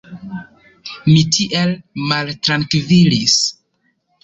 Mi tiel maltrankvilis!